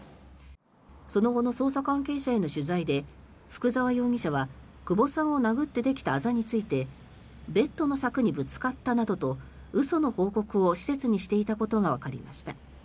その後の捜査関係者への取材で福澤容疑者は久保さんを殴ってできたあざについてベッドの柵にぶつかったなどと嘘の報告を施設にしていたことがわかりました。